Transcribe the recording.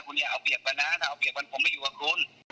คุณอย่าเอาเปรียบก่อนนะถ้าเอาเปรียบกันผมไม่อยู่กับคุณ